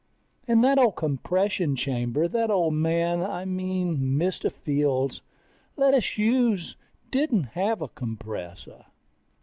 And that old compression chamber that old man ... I mean Mr. Fields let us use didn't have a compressor.